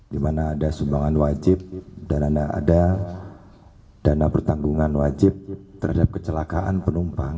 di mana ada subangan wajib dana pertanggungan wajib terhadap kecelakaan penumpang